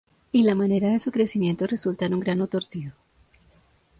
Y la manera de su crecimiento resulta en un grano torcido.